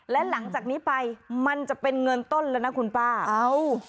และหลังจากนี้ไปมันจะเป็นเงินต้นแล้วนะคุณป้าเอ้า